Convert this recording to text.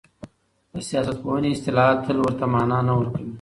د سياست پوهني اصطلاحات تل ورته مانا نه ورکوي.